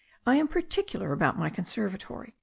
I am particular about my conservatory.